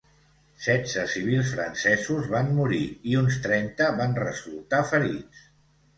Setze civils francesos van morir i uns trenta van resultar ferits.